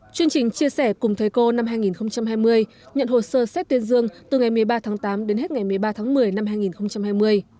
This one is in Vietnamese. chương trình chia sẻ cùng thầy cô năm hai nghìn hai mươi nhận hồ sơ xét tuyên dương từ ngày một mươi ba tháng tám đến hết ngày một mươi ba tháng một mươi năm hai nghìn hai mươi